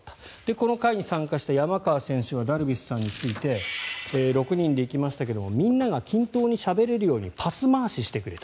この会に参加した山川選手はダルビッシュさんについて６人で行きましたけどみんなが均等にしゃべれるようにパス回ししてくれた。